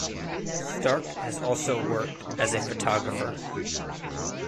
Stark has also worked as a photographer.